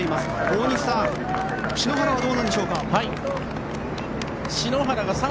大西さん篠原はどうなんでしょうか。